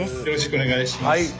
よろしくお願いします。